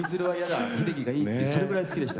それぐらい好きでした。